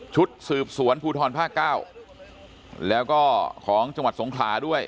ชุดสืบสวนภูทรภาค๙แล้วก็ของจังหวัดสงขลาด้วย